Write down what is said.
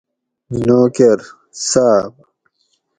نوکر: صاۤب